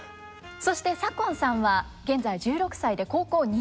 そして左近さんは現在１６歳で高校２年生。